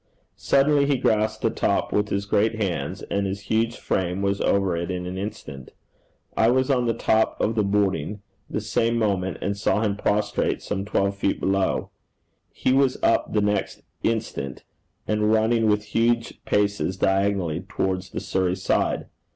Suddenly he grasped the top with his great hands, and his huge frame was over it in an instant. I was on the top of the hoarding the same moment, and saw him prostrate some twelve feet below. He was up the next instant, and running with huge paces diagonally towards the Surrey side.